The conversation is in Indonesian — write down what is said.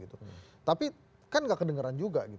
tapi kan nggak kedengeran juga